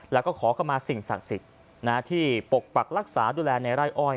แล้วก็ขอเข้ามาสิ่งศักดิ์สิทธิ์ที่ปกปักรักษาดูแลในไร่อ้อย